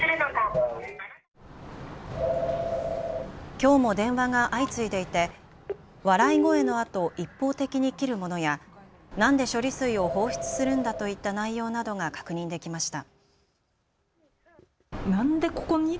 きょうも電話が相次いでいて笑い声のあと一方的に切るものやなんで処理水を放出するんだといった内容などが確認できました。